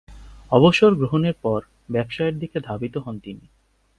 অবসর গ্রহণের পর ব্যবসায়ের দিকে ধাবিত হন তিনি।